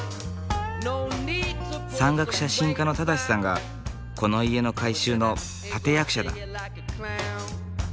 山岳写真家の正さんがこの家の改修の立て役者だ。